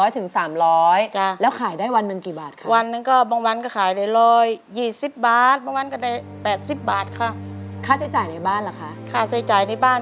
๒๐๐ถึง๓๐๐แล้วขายได้วันหนึ่งกี่บาทค่ะค่ะค่ะค่ะค่ะค่ะค่ะค่ะค่ะ